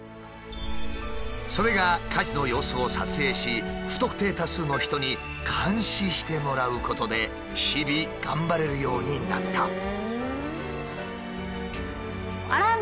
それが家事の様子を撮影し不特定多数の人に監視してもらうことで日々頑張れるようになった。